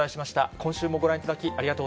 今週もご覧いただき、ありがとう